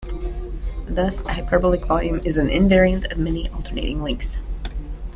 Thus hyperbolic volume is an invariant of many alternating links.